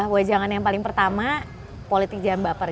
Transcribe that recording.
wajangan yang paling pertama politik jam baper